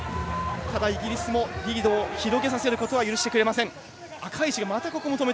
イギリスもリードを広げさせることは許してくれません。